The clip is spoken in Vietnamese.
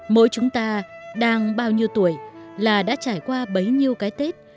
mỗi chúng ta đang bao nhiêu tuổi là đã trải qua bấy nhiêu cái tết